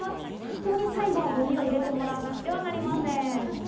人に最後はゴミを入れてもらわなくてはなりません。